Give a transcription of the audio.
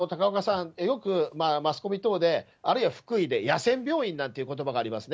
今、高岡さん、よくマスコミ等で、あるいは、福井で野戦病院なんていうことばがありますね。